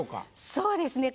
そうですね